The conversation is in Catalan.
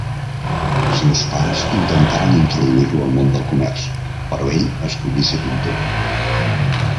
Els seus pares intentaren introduir-lo al món del comerç, però ell escollí ser pintor.